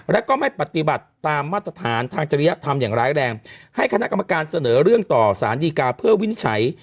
แล้วก็ไม่ปฏิบัติตามมาตรฐานทางจริยธรรมอย่างร้ายแรงให้คณะกรรมการเสนอเรื่องต่อสารดีกาเพื่อวินิจฉัย